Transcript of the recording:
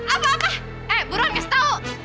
apa apa eh buruan kasih tau